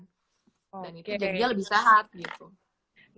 dan itu jadinya lebih sehat gitu